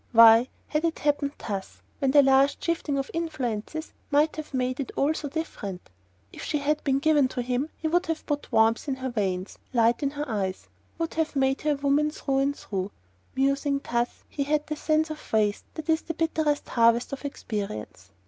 Why had it happened thus, when the least shifting of influences might have made it all so different? If she had been given to him then he would have put warmth in her veins and light in her eyes: would have made her a woman through and through. Musing thus, he had the sense of waste that is the bitterest harvest of experience.